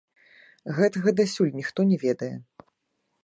Гэтага дасюль ніхто не ведае.